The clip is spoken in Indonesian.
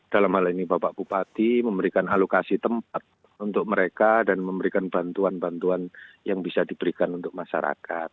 dalam hal ini bapak bupati memberikan alokasi tempat untuk mereka dan memberikan bantuan bantuan yang bisa diberikan untuk masyarakat